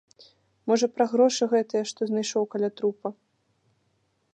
Можа, пра грошы гэтыя, што знайшоў каля трупа?